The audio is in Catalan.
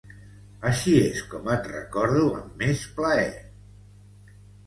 Així és com et recordo amb més plaer.